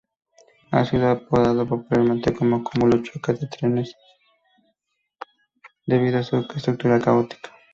Ha sido apodado popularmente como Cúmulo Choque de Trenes, debido a su estructura caótica.